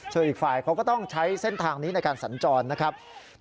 ส่วนอีกฝ่ายเขาก็ต้องใช้เส้นทางนี้ในการสัญจรนะครับ